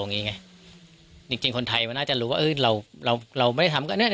อย่างงี้ไงจริงจริงคนไทยมันน่าจะรู้ว่าเอ้ยเราเราเราไม่ได้ถามกัน